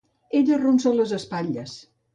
Ell arronsa les espatlles.